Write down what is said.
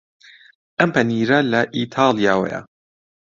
ئەم پەنیرە لە ئیتاڵیاوەیە.